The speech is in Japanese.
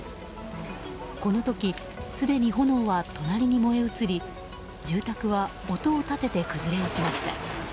この時、すでに炎は隣に燃え移り住宅は音を立てて崩れ落ちました。